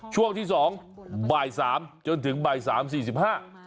ช่วงที่สองบ่าย๓จนถึงบ่ายสาม๔๕บาท